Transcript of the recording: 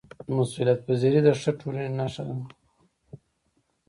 مسؤلیتپذیري د ښه ټولنې نښه ده